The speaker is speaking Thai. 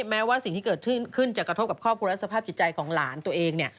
แม้ว่าสิ่งที่เกิดขึ้นจะกระทบกับครอบครัวและสภาพจิตใจของหลานตัวเองเนี่ย